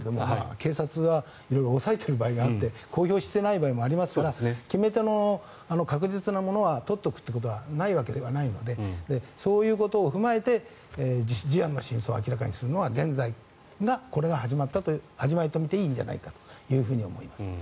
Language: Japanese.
検察は色々押さえている場合があって公表していない場合もありますから決め手の確実なものは取っておくというのはないことはないのでそういうことを踏まえて事案の真相を明らかにすることは現在が、これが始まりとみていいと思います。